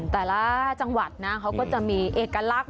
แต่ละจังหวัดนะเขาก็จะมีเอกลักษณ์